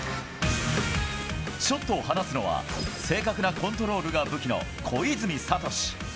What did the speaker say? ショットを放つのは、正確なコントロールが武器の小泉聡。